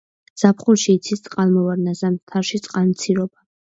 ზაფხულში იცის წყალმოვარდნა, ზამთარში წყალმცირობა.